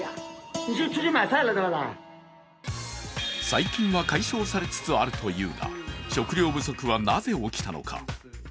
最近は解消されつつあるというが、食料不足はなぜ起きたのか？